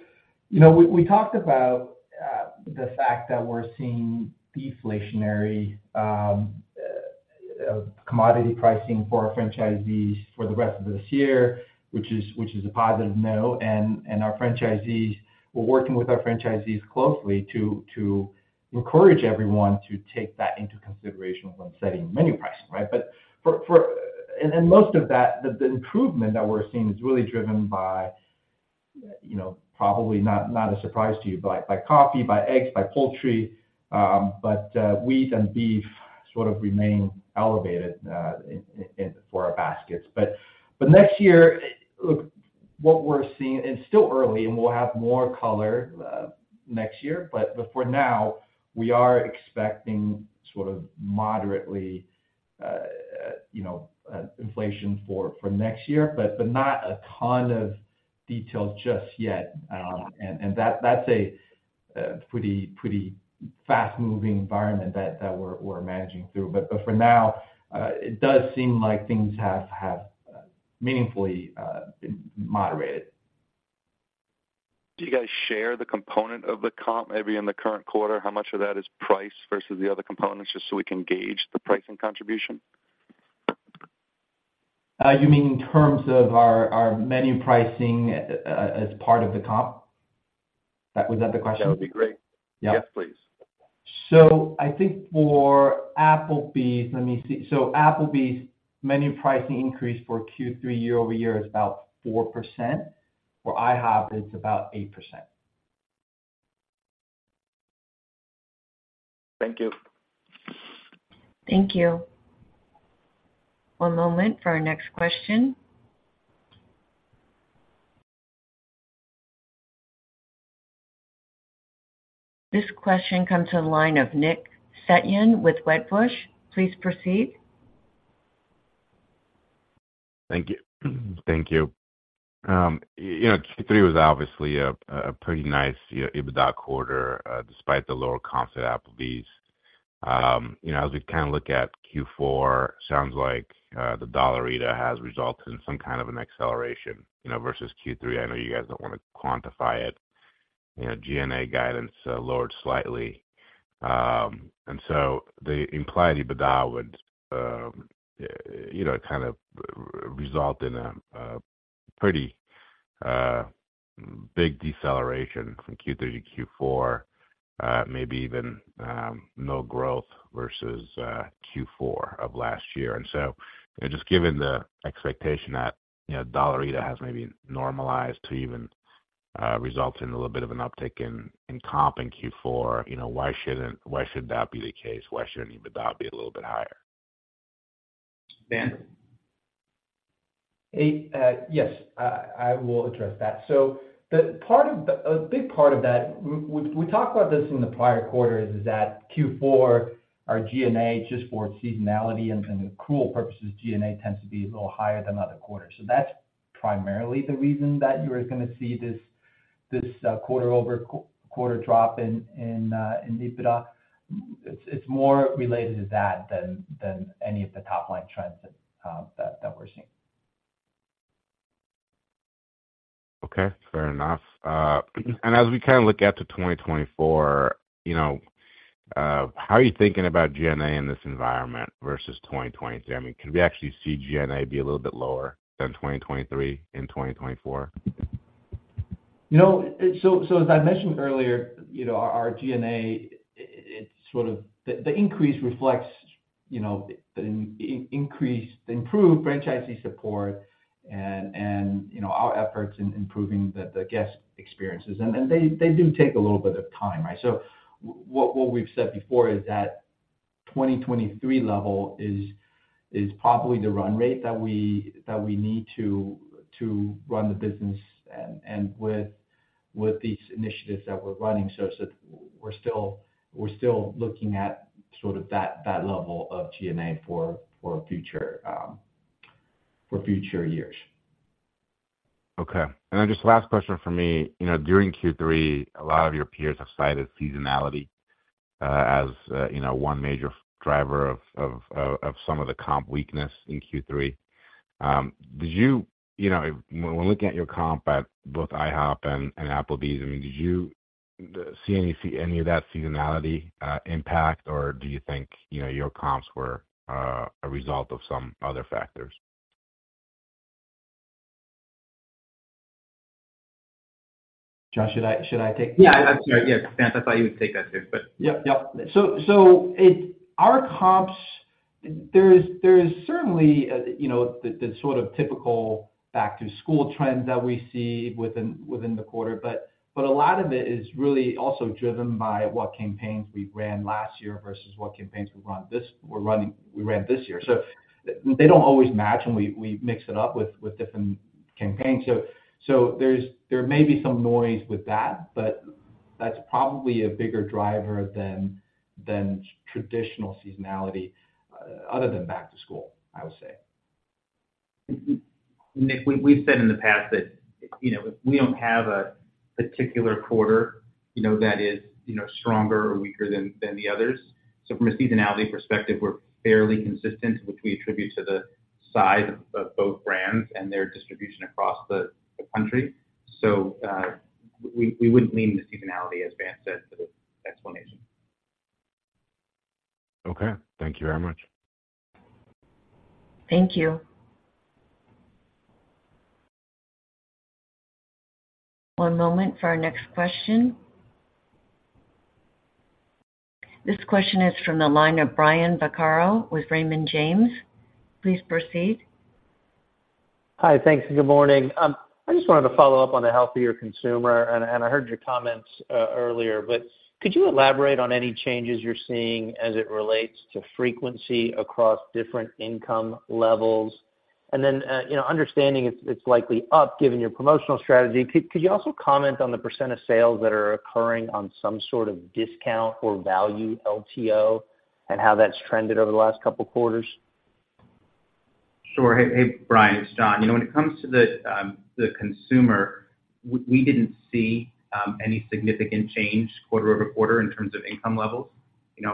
you know, we talked about the fact that we're seeing deflationary commodity pricing for our franchisees for the rest of this year, which is a positive note, and our franchisees. We're working with our franchisees closely to encourage everyone to take that into consideration when setting menu pricing, right? But most of that, the improvement that we're seeing is really driven by, you know, probably not a surprise to you, but by coffee, by eggs, by poultry, but wheat and beef sort of remain elevated in our baskets. But next year, look, what we're seeing. It's still early, and we'll have more color next year. But for now, we are expecting sort of moderately, you know, inflation for next year, but not a ton of details just yet. And that's a pretty fast-moving environment that we're managing through. But for now, it does seem like things have meaningfully moderated. Do you guys share the component of the comp, maybe in the current quarter, how much of that is price versus the other components, just so we can gauge the pricing contribution? You mean in terms of our menu pricing, as part of the comp? Was that the question? That would be great. Yeah. Yes, please. I think for Applebee's, let me see. Applebee's menu pricing increase for Q3 year-over-year is about 4%. For IHOP, it's about 8%. Thank you. Thank you. One moment for our next question. This question comes to the line of Nick Setyan with Wedbush. Please proceed. Thank you. Thank you. You know, Q3 was obviously a pretty nice, you know, EBITDA quarter, despite the lower comp at Applebee's. You know, as we kind of look at Q4, sounds like the Dollarita has resulted in some kind of an acceleration, you know, versus Q3. I know you guys don't want to quantify it. You know, G&A guidance lowered slightly. And so the implied EBITDA would, you know, kind of result in a pretty big deceleration from Q3 to Q4, maybe even no growth versus Q4 of last year. And so, you know, just given the expectation that, you know, Dollarita has maybe normalized to even result in a little bit of an uptick in comp in Q4, you know, why shouldn't - why should that be the case? Why shouldn't EBITDA be a little bit higher? Vance? Hey, yes, I will address that. So the part of the... A big part of that, we talked about this in the prior quarters, is that Q4, our G&A, just for seasonality and the usual purposes, G&A tends to be a little higher than other quarters. So that's primarily the reason that you are going to see this quarter-over-quarter drop in EBITDA. It's more related to that than any of the top-line trends that we're seeing. Okay, fair enough. As we kind of look out to 2024, you know, how are you thinking about G&A in this environment versus 2023? I mean, could we actually see G&A be a little bit lower than 2023 in 2024? You know, so, so as I mentioned earlier, you know, our, our G&A, it, it sort of, the, the increase reflects, you know, the in-increase, the improved franchisee support and, and, you know, our efforts in improving the, the guest experiences. And, and they, they do take a little bit of time, right? So w-what, what we've said before is that 2023 level is, is probably the run rate that we, that we need to, to run the business and, and with, with these initiatives that we're running. So, so we're still, we're still looking at sort of that, that level of G&A for, for future, for future years. Okay. And then just last question for me. You know, during Q3, a lot of your peers have cited seasonality as you know one major driver of some of the comp weakness in Q3. Did you, you know, when looking at your comp at both IHOP and Applebee's, I mean, did you see any of that seasonality impact, or do you think, you know, your comps were a result of some other factors? John, should I take that? Yeah, I'm sorry. Yes, Vance, I thought you would take that too, but. Yep. Yep. So, it's our comps. There is certainly, you know, the sort of typical back-to-school trends that we see within the quarter. But a lot of it is really also driven by what campaigns we ran last year versus what campaigns we run this--we're running--we ran this year. So they don't always match, and we mix it up with different campaigns. So, there may be some noise with that, but that's probably a bigger driver than traditional seasonality, other than back to school, I would say. Nick, we've said in the past that, you know, we don't have a particular quarter, you know, that is, you know, stronger or weaker than, than the others. So from a seasonality perspective, we're fairly consistent, which we attribute to the size of, of both brands and their distribution across the, the country. So, we wouldn't lean into seasonality, as Vance said, for the explanation. Okay. Thank you very much. Thank you. One moment for our next question. This question is from the line of Brian Vaccaro with Raymond James. Please proceed. Hi. Thanks, and good morning. I just wanted to follow up on the healthier consumer, and I heard your comments earlier, but could you elaborate on any changes you're seeing as it relates to frequency across different income levels? And then, you know, understanding it's likely up, given your promotional strategy. Could you also comment on the % of sales that are occurring on some sort of discount or value LTO, and how that's trended over the last couple of quarters? Sure. Hey, hey, Brian, it's John. You know, when it comes to the consumer, we didn't see any significant change quarter-over-quarter in terms of income levels. You know,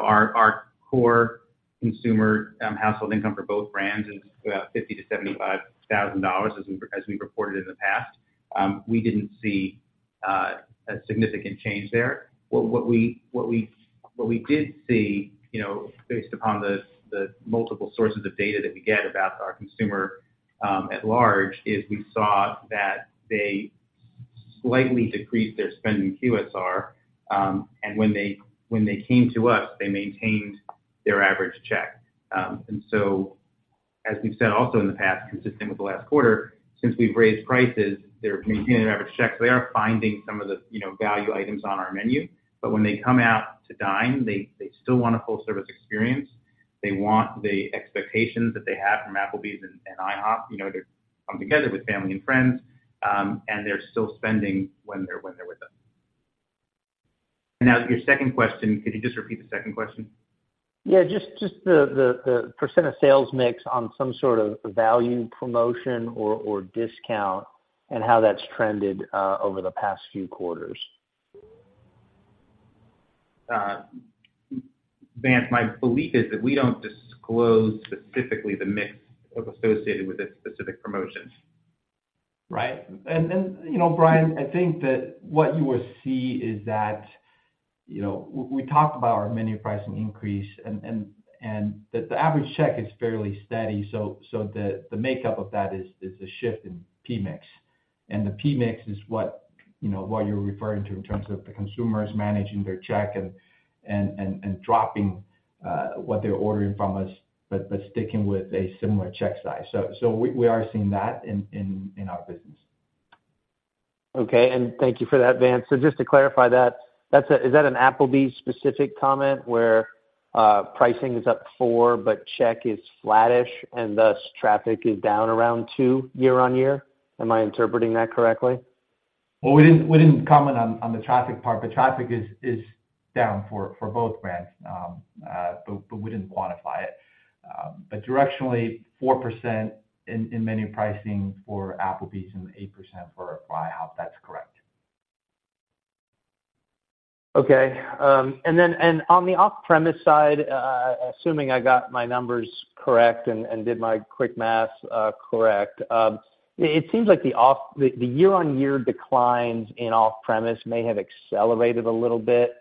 our core consumer household income for both brands is about $50,000-$75,000, as we reported in the past. We didn't see a significant change there. What we did see, you know, based upon the multiple sources of data that we get about our consumer at large, is we saw that they slightly decreased their spend in QSR, and when they came to us, they maintained their average check. And so as we've said also in the past, consistent with the last quarter, since we've raised prices, they're maintaining their average check. They are finding some of the, you know, value items on our menu. But when they come out to dine, they, they still want a full service experience. They want the expectations that they have from Applebee's and, and IHOP, you know, to come together with family and friends, and they're still spending when they're, when they're with us. Now, your second question, could you just repeat the second question? Yeah, just the percent of sales mix on some sort of value promotion or discount and how that's trended over the past few quarters. Vance, my belief is that we don't disclose specifically the mix associated with the specific promotions. Right. And then, you know, Brian, I think that what you will see is that, you know, we talked about our menu pricing increase and that the average check is fairly steady. So the makeup of that is a shift in Pmix. And the Pmix is what, you know, what you're referring to in terms of the consumers managing their check and dropping what they're ordering from us, but sticking with a similar check size. So we are seeing that in our business. Okay, and thank you for that, Vance. So just to clarify that, that's— Is that an Applebee's specific comment, where pricing is up four, but check is flattish, and thus, traffic is down around two year-on-year? Am I interpreting that correctly? Well, we didn't comment on the traffic part, but traffic is down for both brands, but we didn't quantify it. But directionally, 4% in menu pricing for Applebee's and 8% for IHOP. That's correct. Okay, and then, and on the off-premise side, assuming I got my numbers correct and did my quick math correct, it seems like the year-on-year declines in off-premise may have accelerated a little bit,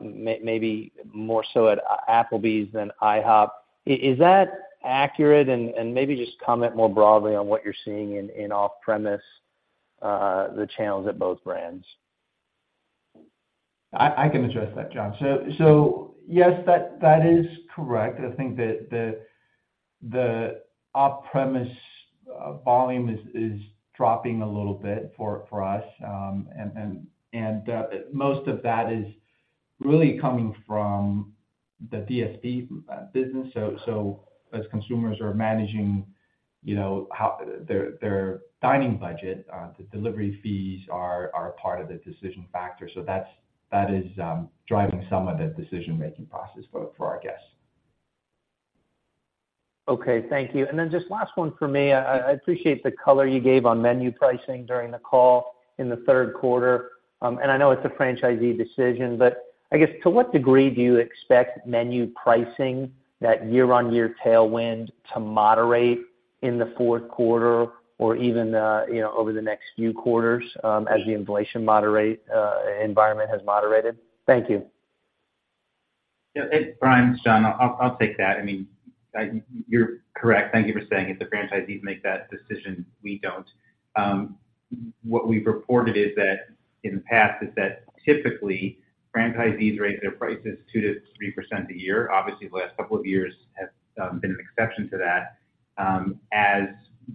maybe more so at Applebee's than IHOP. Is that accurate? And maybe just comment more broadly on what you're seeing in off-premise, the channels at both brands. I can address that, John. So yes, that is correct. I think that the off-premise volume is dropping a little bit for us, and most of that is really coming from the DSP business. So as consumers are managing, you know, how their dining budget, the delivery fees are part of the decision factor. So that is driving some of that decision-making process for our guests. Okay, thank you. And then just last one for me. I, I appreciate the color you gave on menu pricing during the call in the third quarter. And I know it's a franchisee decision, but I guess, to what degree do you expect menu pricing, that year-on-year tailwind, to moderate in the fourth quarter or even the, you know, over the next few quarters, as the inflation moderate environment has moderated? Thank you. Yeah, it's Brian, John. I'll take that. I mean, you're correct. Thank you for saying it. The franchisees make that decision, we don't. What we've reported is that in the past typically, franchisees raise their prices 2%-3% a year. Obviously, the last couple of years have been an exception to that. As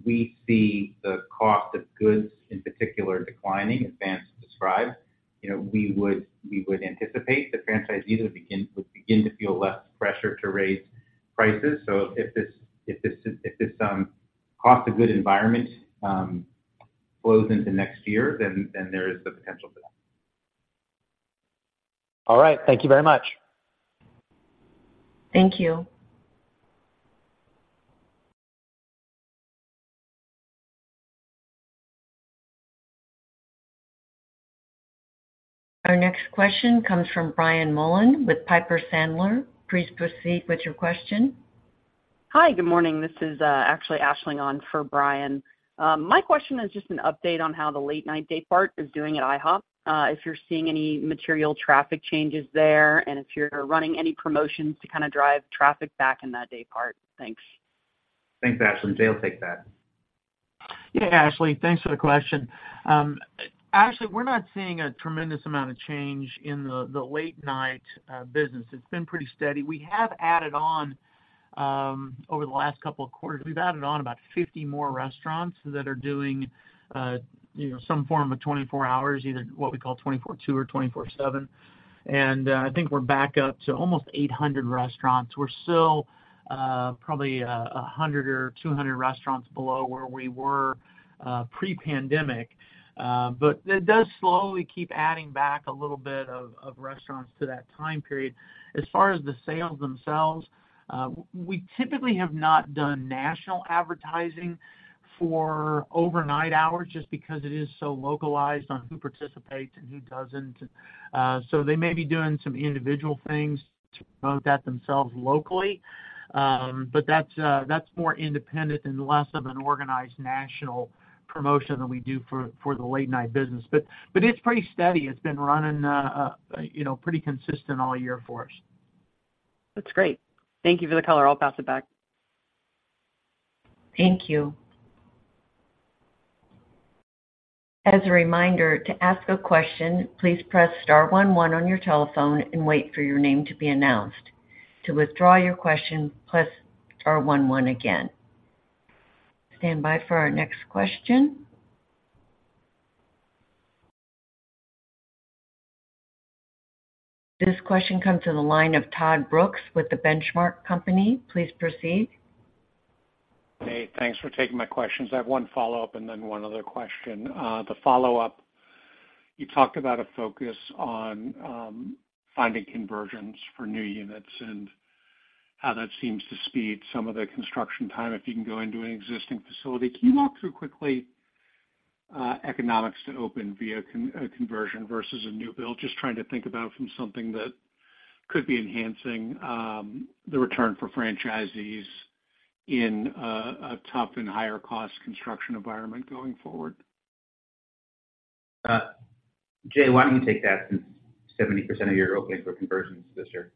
we see the cost of goods, in particular, declining, as Vance described, you know, we would anticipate the franchisees would begin to feel less pressure to raise prices. So if this cost of goods environment flows into next year, then there is the potential for that. All right. Thank you very much. Thank you. Our next question comes from Brian Mullen with Piper Sandler. Please proceed with your question. Hi, good morning. This is actually Aisling on for Brian. My question is just an update on how the late night daypart is doing at IHOP, if you're seeing any material traffic changes there, and if you're running any promotions to kind of drive traffic back in that daypart. Thanks. Thanks, Aisling. Jay, take that. Yeah, Aisling, thanks for the question. Aisling, we're not seeing a tremendous amount of change in the, the late-night, business. It's been pretty steady. We have added on, over the last couple of quarters, we've added on about 50 more restaurants that are doing, you know, some form of 24 hours, either what we call 24/2 or 24/7. And, I think we're back up to almost 800 restaurants. We're still, probably, 100 or 200 restaurants below where we were, pre-pandemic. But it does slowly keep adding back a little bit of, of restaurants to that time period. As far as the sales themselves, we typically have not done national advertising for overnight hours just because it is so localized on who participates and who doesn't. So they may be doing some individual things to promote that themselves locally, but that's more independent and less of an organized national promotion than we do for the late-night business. But it's pretty steady. It's been running, you know, pretty consistent all year for us. That's great. Thank you for the color. I'll pass it back. Thank you. As a reminder, to ask a question, please press star one one on your telephone and wait for your name to be announced. To withdraw your question, press star one one again. Stand by for our next question. This question comes from the line of Todd Brooks with The Benchmark Company. Please proceed. Hey, thanks for taking my questions. I have one follow-up and then one other question. The follow-up, you talked about a focus on finding conversions for new units and how that seems to speed some of the construction time, if you can go into an existing facility. Can you walk through quickly, economics to open via a conversion versus a new build? Just trying to think about it from something that could be enhancing the return for franchisees in a tough and higher cost construction environment going forward. Jay, why don't you take that since 70% of your openings are conversions this year?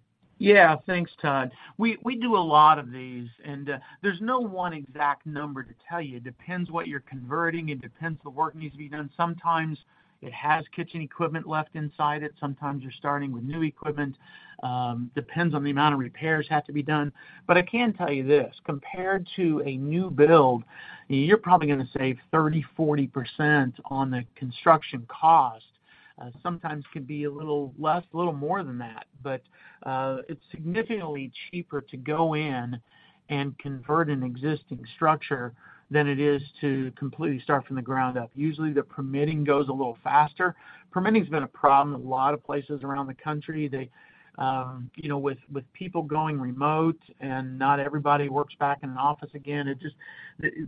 Yeah, thanks, Todd. We do a lot of these, and there's no one exact number to tell you. It depends what you're converting, it depends the work needs to be done. Sometimes it has kitchen equipment left inside it. Sometimes you're starting with new equipment, depends on the amount of repairs have to be done. But I can tell you this, compared to a new build, you're probably gonna save 30%-40% on the construction cost. Sometimes it could be a little less, a little more than that. But it's significantly cheaper to go in and convert an existing structure than it is to completely start from the ground up. Usually, the permitting goes a little faster. Permitting has been a problem in a lot of places around the country. They, you know, with, with people going remote and not everybody works back in an office again, it just,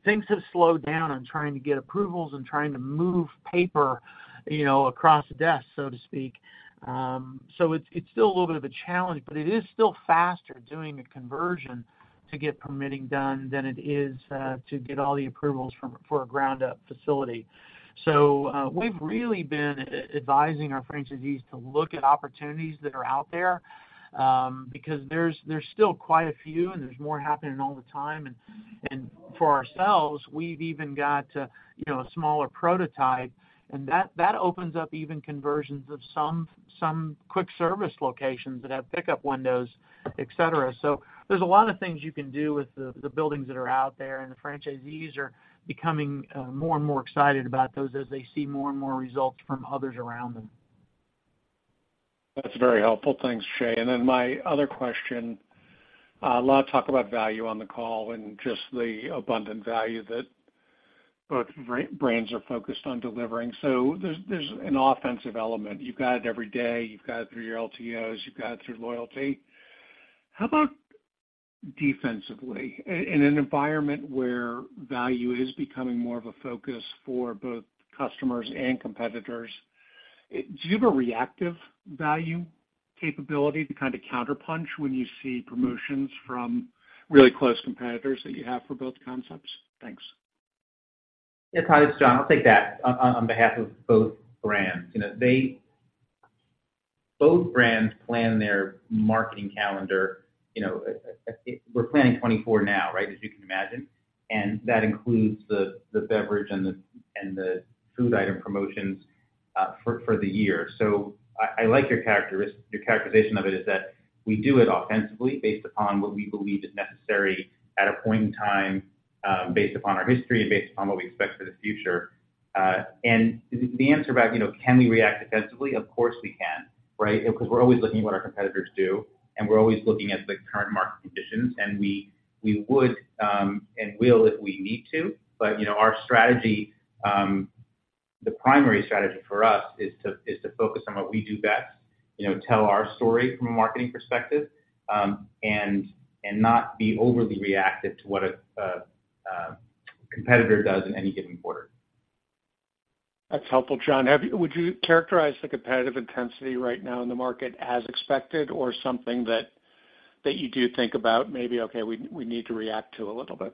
things have slowed down on trying to get approvals and trying to move paper, you know, across a desk, so to speak. So it's, it's still a little bit of a challenge, but it is still faster doing a conversion to get permitting done than it is, to get all the approvals for, for a ground-up facility. So, we've really been advising our franchisees to look at opportunities that are out there, because there's, there's still quite a few, and there's more happening all the time. And, and for ourselves, we've even got, you know, a smaller prototype, and that, that opens up even conversions of some, some quick service locations that have pickup windows, et cetera. So there's a lot of things you can do with the buildings that are out there, and the franchisees are becoming more and more excited about those as they see more and more results from others around them. That's very helpful. Thanks, Jay. And then my other question, a lot of talk about value on the call and just the abundant value that both brands are focused on delivering. So there's an offensive element. You've got it every day, you've got it through your LTOs, you've got it through loyalty. How about defensively? In an environment where value is becoming more of a focus for both customers and competitors, do you have a reactive value capability to kind of counterpunch when you see promotions from really close competitors that you have for both concepts? Thanks. Yeah, Todd, it's John. I'll take that on, on behalf of both brands. You know, both brands plan their marketing calendar, you know, we're planning 2024 now, right, as you can imagine, and that includes the beverage and the food item promotions for the year. So I like your characterization of it, is that we do it offensively based upon what we believe is necessary at a point in time, based upon our history and based upon what we expect for the future. And the answer about, you know, can we react defensively? Of course, we can, right? Because we're always looking at what our competitors do, and we're always looking at the current market conditions, and we would and will if we need to. But, you know, our strategy, the primary strategy for us is to focus on what we do best, you know, tell our story from a marketing perspective, and not be overly reactive to what a competitor does in any given quarter. That's helpful, John. Would you characterize the competitive intensity right now in the market as expected or something that, that you do think about maybe, "Okay, we, we need to react to a little bit?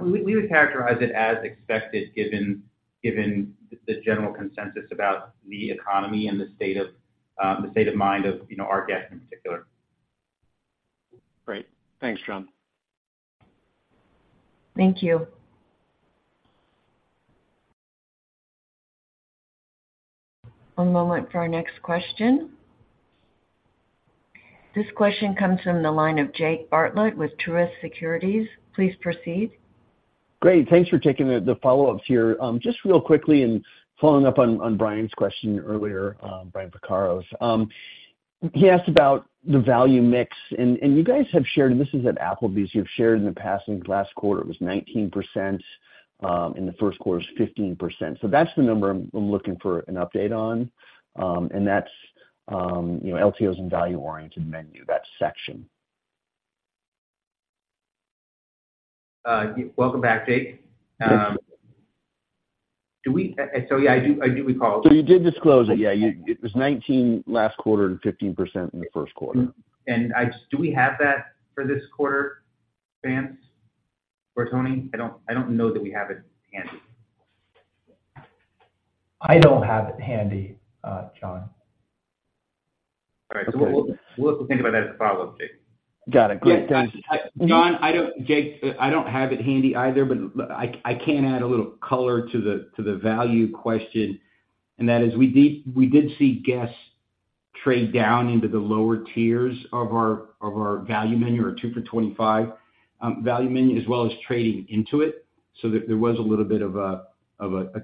We would characterize it as expected, given the general consensus about the economy and the state of mind of, you know, our guests in particular. Great. Thanks, John. Thank you. One moment for our next question. This question comes from the line of Jake Bartlett with Truist Securities. Please proceed. Great. Thanks for taking the follow-ups here. Just real quickly, following up on Brian's question earlier, Brian Vaccaro. He asked about the value mix, and you guys have shared, and this is at Applebee's, you've shared in the past, and last quarter it was 19%, in the first quarter was 15%. So that's the number I'm looking for an update on. And that's, you know, LTOs and value-oriented menu, that section. Welcome back, Jake. So, yeah, I do, I do recall. So you did disclose it. Yeah, it was 19 last quarter and 15% in the first quarter. Mm-hmm. And I just do we have that for this quarter, Vance or Tony? I don't, I don't know that we have it handy. I don't have it handy, John. All right, so we'll, we'll think about that as a follow-up, Jake. Got it. Great. Yeah, John, I don't, Jake, I don't have it handy either, but I can add a little color to the value question, and that is, we did see guests trade down into the lower tiers of our value menu, or two for 25, value menu, as well as trading into it. So there was a little bit of a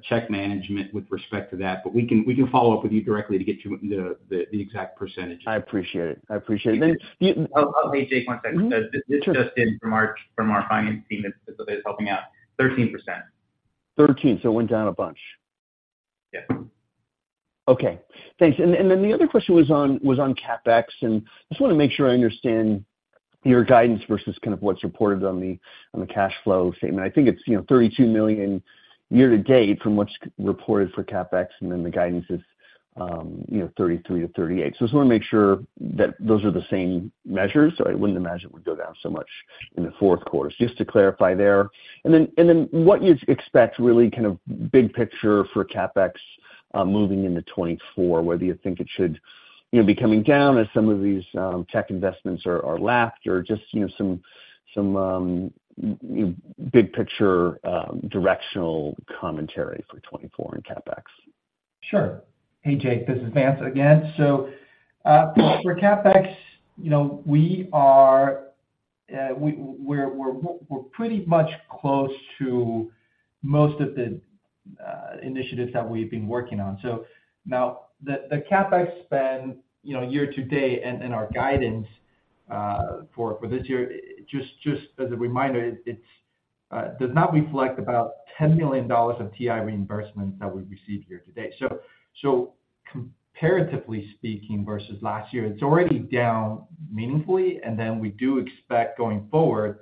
check management with respect to that, but we can follow up with you directly to get you the exact percentage. I appreciate it. I appreciate it. Then the. Oh, oh, hey, Jake, one second. Mm-hmm. Sure. This just in from our finance team that's helping out. 13%. 13. So it went down a bunch? Yes. Okay, thanks. And then the other question was on CapEx, and I just wanna make sure I understand your guidance versus kind of what's reported on the cash flow statement. I think it's, you know, $32 million year to date from what's reported for CapEx, and then the guidance is, you know, $33 million-$38 million. So I just wanna make sure that those are the same measures. So I wouldn't imagine it would go down so much in the fourth quarter. Just to clarify there. And then what you'd expect, really, kind of big picture for CapEx moving into 2024, whether you think it should, you know, be coming down as some of these tech investments are lapped, or just, you know, some big picture directional commentary for 2024 in CapEx. Sure. Hey, Jake, this is Vance again. So, for CapEx, you know, we're pretty much close to most of the initiatives that we've been working on. So now, the CapEx spend, you know, year to date and our guidance for this year, just as a reminder, it does not reflect about $10 million of TI reimbursements that we've received year to date. So, comparatively speaking, versus last year, it's already down meaningfully, and then we do expect, going forward,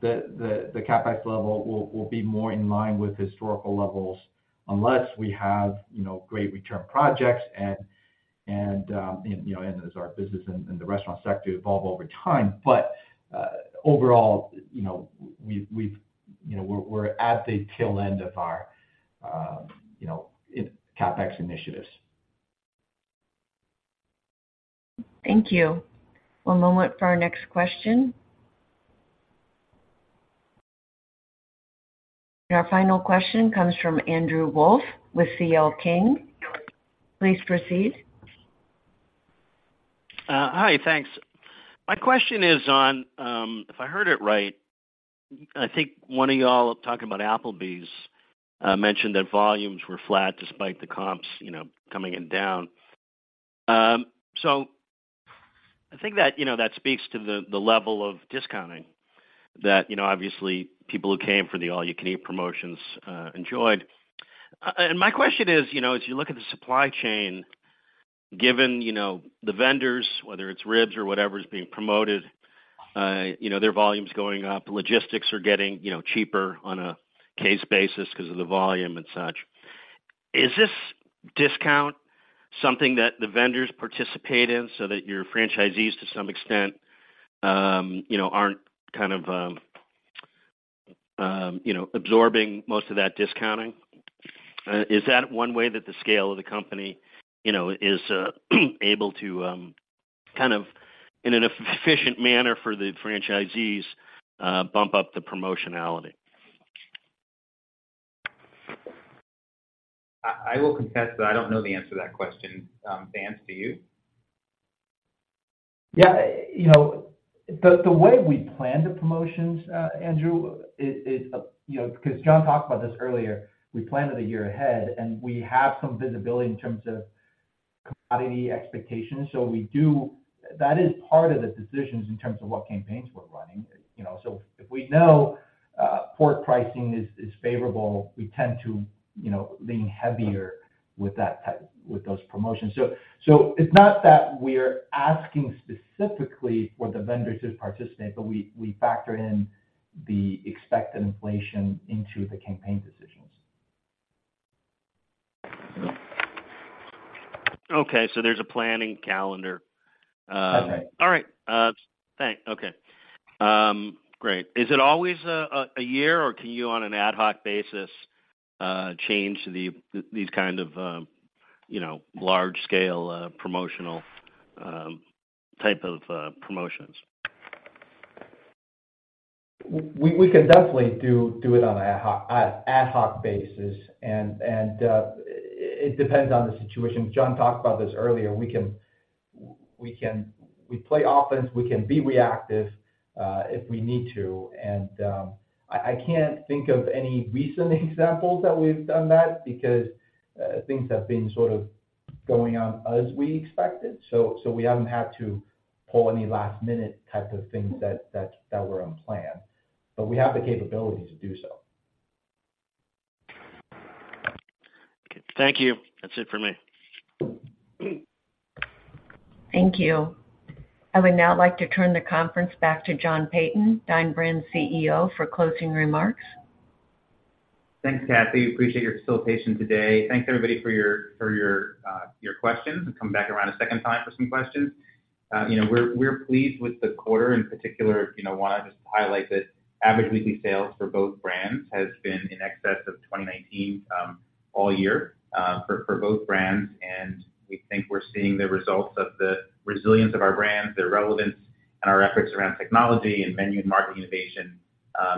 that the CapEx level will be more in line with historical levels, unless we have, you know, great return projects and, you know, and as our business and the restaurant sector evolve over time. Overall, you know, we've, you know, we're at the tail end of our, you know, CapEx initiatives. Thank you. One moment for our next question. Our final question comes from Andrew Wolf with CL King. Please proceed. Hi, thanks. My question is on, if I heard it right, I think one of y'all talking about Applebee's mentioned that volumes were flat despite the comps, you know, coming in down. So I think that, you know, that speaks to the level of discounting that, you know, obviously people who came for the all-you-can-eat promotions enjoyed. And my question is, you know, as you look at the supply chain, given, you know, the vendors, whether it's ribs or whatever is being promoted, you know, their volume's going up, logistics are getting, you know, cheaper on a case basis because of the volume and such. Is this discount something that the vendors participate in so that your franchisees, to some extent, you know, aren't kind of, you know, absorbing most of that discounting? Is that one way that the scale of the company, you know, is able to, kind of, in an efficient manner for the franchisees, bump up the promotionality? I will confess that I don't know the answer to that question. Vance, do you? Yeah. You know, the way we plan the promotions, Andrew, is, you know, because John talked about this earlier, we planned it a year ahead, and we have some visibility in terms of commodity expectations. So we do. That is part of the decisions in terms of what campaigns we're running. You know, so if we know pork pricing is favorable, we tend to, you know, lean heavier with that type, with those promotions. So it's not that we're asking specifically for the vendors to participate, but we factor in the expected inflation into the campaign decisions. Okay, so there's a planning calendar. Okay. All right. Thanks. Okay. Great. Is it always a year, or can you, on an ad hoc basis, change these kind of large scale promotional type of promotions? We can definitely do it on ad hoc basis, and it depends on the situation. John talked about this earlier. We can. We play offense, we can be reactive if we need to. I can't think of any recent examples that we've done that because things have been sort of going on as we expected. So we haven't had to pull any last-minute type of things that were unplanned, but we have the capability to do so. Okay. Thank you. That's it for me. Thank you. I would now like to turn the conference back to John Peyton, Dine Brands CEO, for closing remarks. Thanks, Kathy. Appreciate your facilitation today. Thanks, everybody, for your questions, and coming back around a second time for some questions. You know, we're pleased with the quarter. In particular, you know, I wanna just highlight that average weekly sales for both brands has been in excess of 2019 all year for both brands. And we think we're seeing the results of the resilience of our brands, their relevance, and our efforts around technology and menu and marketing innovation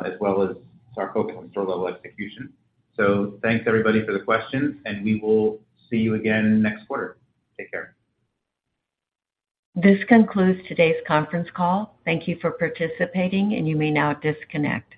as well as our focus on store level execution. So thanks everybody for the questions, and we will see you again next quarter. Take care. This concludes today's conference call. Thank you for participating, and you may now disconnect.